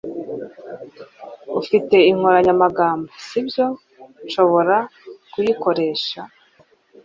Ufite inkoranyamagambo, si byo? Nshobora kuyikoresha?